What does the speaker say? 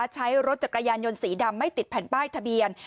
ใช้รถจักรยานยนต์สีดำไม่ติดแผ่นป้ายทะเบียน